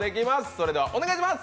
それでは、お願いします。